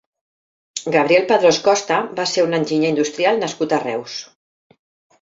Gabriel Padrós Costa va ser un enginyer industrial nascut a Reus.